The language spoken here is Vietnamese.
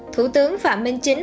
thủ tướng phạm minh chính